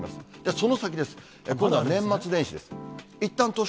その先です。今度は年末年始です。